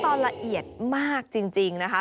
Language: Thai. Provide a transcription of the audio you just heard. ตอนละเอียดมากจริงนะคะ